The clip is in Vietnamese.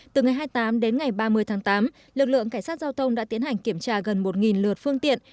từ ngày hai mươi tám đến ngày ba mươi tháng tám lực lượng cảnh sát giao thông đã tiến hành kiểm tra gần một lượt phương tiện